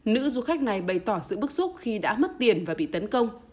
nữ du khách này bày tỏ sự bức xúc khi đã mất tiền và bị tấn công